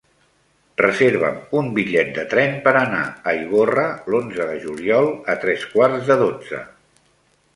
Reserva'm un bitllet de tren per anar a Ivorra l'onze de juliol a tres quarts de dotze.